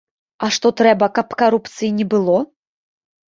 А што трэба, каб карупцыі не было?